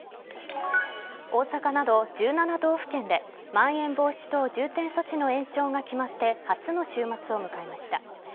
大阪など１７道府県でまん延防止等重点措置の延長が決まって初の週末を迎えました。